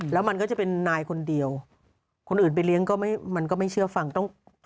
แล้วมันก็จะเป็นนายคนเดียวคนอื่นไปเลี้ยงก็ไม่มันก็ไม่เชื่อฟังต้อง